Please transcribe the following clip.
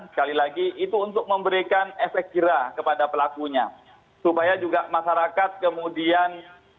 sekali lagi itu untuk memberikan efek jerah kepada pelakunya supaya juga masyarakat kemudian